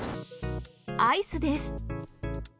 アイスです。